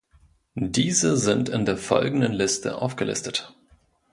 Diese sind in der folgenden Liste aufgelistet.